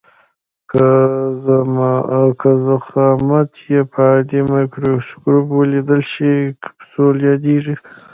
که ضخامت یې په عادي مایکروسکوپ ولیدل شي کپسول یادیږي.